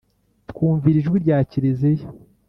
twumvira ijwi rya Kiriziya